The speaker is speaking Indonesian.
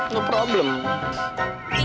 gak ada masalah